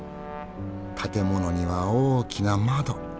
建物には大きな窓。